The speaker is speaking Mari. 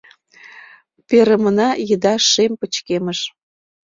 Перымына еда шем пычкемыш